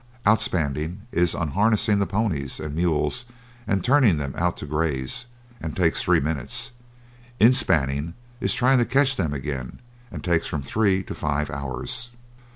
"Outspanning" is unharnessing the ponies and mules and turning them out graze, and takes three minutes "inspanning" is trying to catch them again, and takes from three to five hours.